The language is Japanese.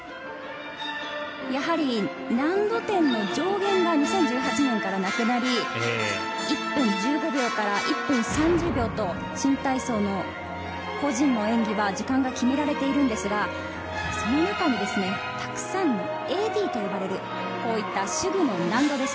やはり難度点の上限が２０１８年からなくなり、１分１５秒から１分３０秒と新体操の個人の演技は時間が決められているんですが、その中で、たくさん、ＡＤと呼ばれるこういった手具の難度です。